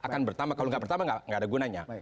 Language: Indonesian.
kalau tidak bertambah tidak ada gunanya